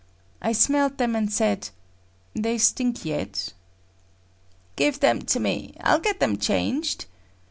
I smelled them and said; "They stink yet." "Give them to me; I'll get them changed."